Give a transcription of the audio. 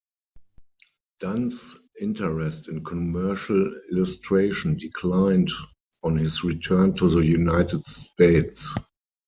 Dunn's interest in commercial illustration declined on his return to the United States.